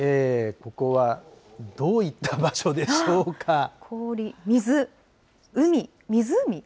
ここはどういった場所でしょうか。